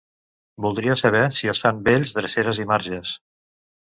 Voldria saber si es fan vells dreceres i marges.